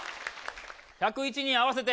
１０１人合わせて。